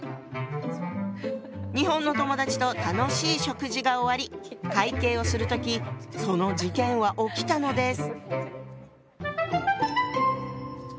日本の友だちと楽しい食事が終わり会計をする時その事件は起きたのです。